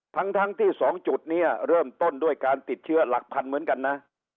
ทั้งที่๒จุดนี้เริ่มต้นด้วยการติดเชื้อหลักพันเหมือนกันนะ